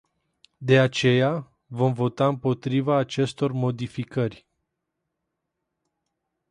De aceea, vom vota împotriva acestor modificări.